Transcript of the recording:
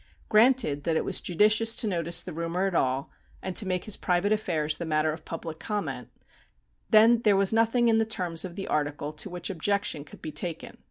Granted that it was judicious to notice the rumour at all, and to make his private affairs the matter of public comment, then there was nothing in the terms of the article to which objection could be taken.